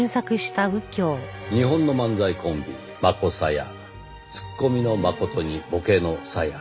「日本の漫才コンビマコサヤ」「ツッコミのマコトにボケのサヤ」